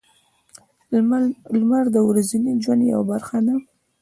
• لمر د ورځني ژوند یوه برخه ده.